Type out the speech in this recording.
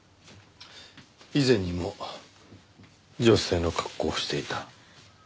以前にも女性の格好をしていた？